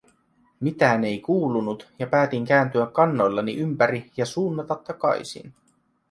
Mitään ei kuulunut ja päätin kääntyä kannoillani ympäri ja suunnata takaisin.